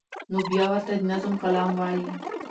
نو بیا ورته د نظم کلام وایی